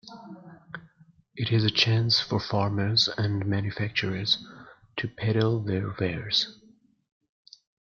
It is a chance for farmers and manufacturers to peddle their wares.